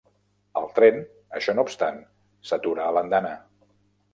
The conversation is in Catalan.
El tren, això no obstant, s'atura a l'andana.